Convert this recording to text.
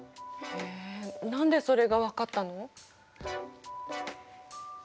へえ何でそれが分かったの？